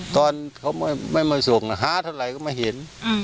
ตอนเขาไม่มาส่งหาเท่าไหร่ก็ไม่เห็น